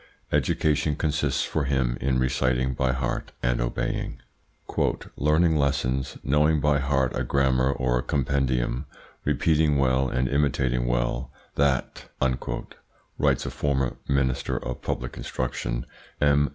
Education consists for him in reciting by heart and obeying. "Learning lessons, knowing by heart a grammar or a compendium, repeating well and imitating well that," writes a former Minister of Public Instruction, M.